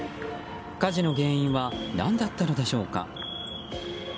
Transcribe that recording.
火事の原因は何だったのでしょうか。